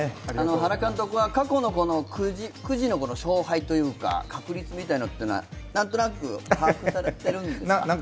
原監督は過去のくじの勝敗というか確率みたいなのは何となく把握されてるんですか？